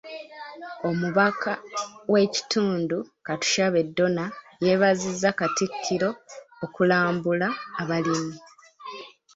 Omubaka w’ekitundu, Katushabe Donah yeebazizza Katikkiro okulambula abalimi.